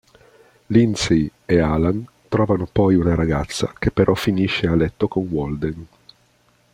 Lindsay e Alan trovano poi una ragazza, che però finisce a letto con Walden.